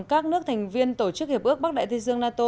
các nước thành viên tổ chức hiệp ước bắc đại thế dương nato